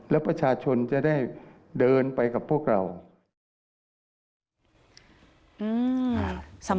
แล้วประชาชนจะได้เดินไปกับพวกเรา